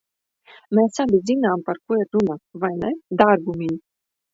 Mēs abi zinām, par ko ir runa, vai ne, dārgumiņ?